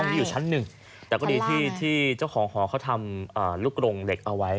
อันนี้อยู่ชั้นหนึ่งแต่ก็ดีที่เจ้าของหอเขาทำลูกกรงเหล็กเอาไว้